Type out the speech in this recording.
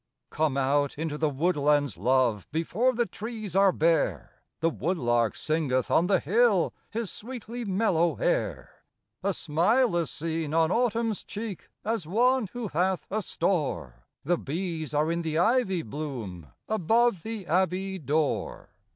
COME out into the woodlands, love, Before the trees are bare ; The woodlark singeth on the hill His sweetly mellow air. A smile is seen on Autumn's cheek, As one who hath a store ; The bees are in the ivy bloom, Above the abbey door.